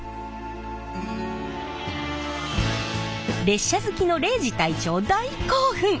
列車好きの礼二隊長大興奮。